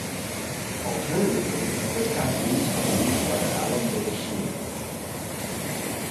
Alternatively, a footpath leads to the beach via Alum Bay Chine.